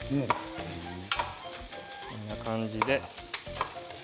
こんな感じで。